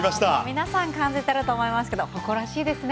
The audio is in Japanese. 皆さん感じてると思いますけど誇らしいですね。